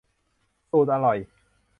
สูตรอร่อย